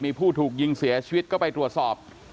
มีผู้ถูกยิงเสียชีวิตก็ไปตรวจสอบ